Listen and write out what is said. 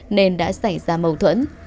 nên đã xảy ra mâu thuẫn